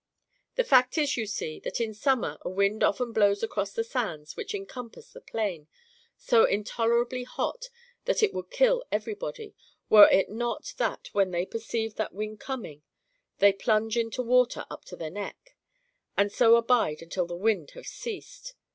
The fact is, you see, that in summer a wind often blows across the sands which en compass the plain, so intolerably hot that it would kill everybody, were it not that when they perceive that wind coming they plunge into water up to the neck, and so abide until the wind have ceased.